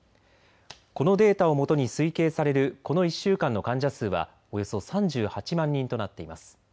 このデータをもとに推計されるこの１週間の患者数はおよそ３８万人となっています。